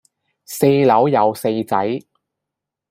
四樓有四仔